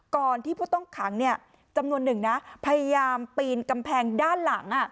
ก่อนที่ผู้ต้องขังจำนวนหนึ่งนะพยายามปีนกำแพงด้านหลัง